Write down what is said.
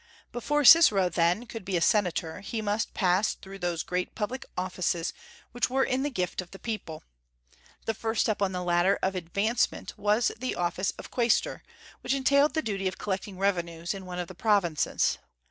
Before Cicero, then, could be a Senator, he must pass through those great public offices which were in the gift of the people. The first step on the ladder of advancement was the office of quaestor, which entailed the duty of collecting revenues in one of the provinces.